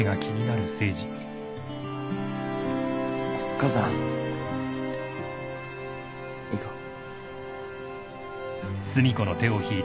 母さん行こう。